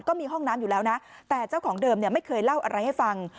ก็มีห้องน้ำอยู่แล้วนะแต่เจ้าของเดิมไม่เคยเล่าอะไรให้ฟัง